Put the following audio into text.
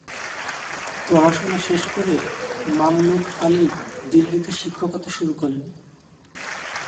পড়াশোনা শেষ করে মামলুক আলী দিল্লিতে শিক্ষকতা শুরু করেন।